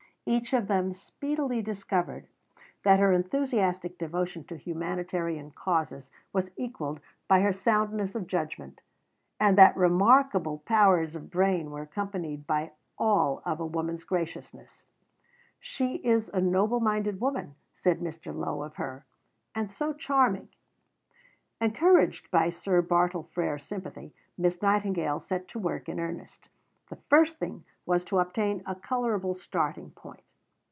Each of them speedily discovered that her enthusiastic devotion to humanitarian causes was equalled by her soundness of judgment, and that remarkable powers of brain were accompanied by all of a woman's graciousness "She is a noble minded woman," said Mr. Lowe of her, "and so charming." Life of Sir Bartle Frere, vol. ii. pp. 38, 39. Encouraged by Sir Bartle Frere's sympathy, Miss Nightingale set to work in earnest. The first thing was to obtain a colourable starting point.